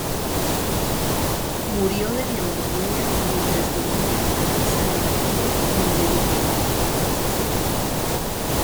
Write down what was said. Murió de neumonía mientras dormía en la casa de retiro donde vivía.